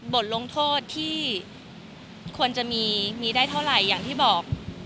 บทลงโทษที่ควรจะมีมีได้เท่าไหร่อย่างที่บอก